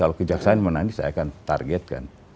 kalau kejaksaan menangis saya akan targetkan